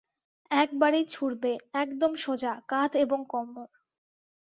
একবারেই ছুঁড়বে, একদম সোজা, কাধ এবং কোমড়।